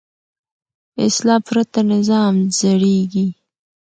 اصلاح پرته نظام زړېږي